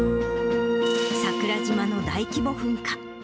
桜島の大規模噴火。